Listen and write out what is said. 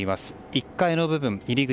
１階の部分入り口